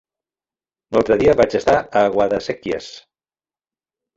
L'altre dia vaig estar a Guadasséquies.